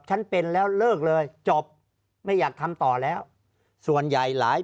ฉันเป็นแล้วเลิกเลยจบไม่อยากทำต่อแล้วส่วนใหญ่หลาย